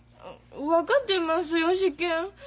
分かってますよ試験。